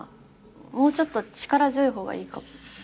もうちょっと力強い方がいいかも。